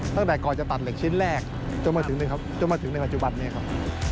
ตั้งแต่ก่อนจะตัดเหล็กชิ้นแรกจนมาถึงในปัจจุบันนี้ครับ